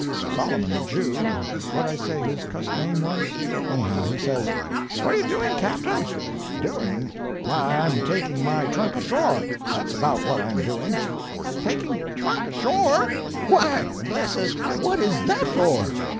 "Solomon, the Jew—what did I say his cussed name was? Anyhow, he says: "'What are you doing, Captain?' "'Doing! Why, I'm a taking my trunk ashore—that's about what I'm a doing.' "'Taking your trunk ashore? Why, bless us, what is that for?'